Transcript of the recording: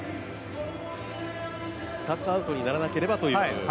２つアウトにならなければという。